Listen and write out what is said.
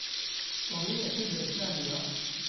Combien y a-t-il d'habitants à New York ?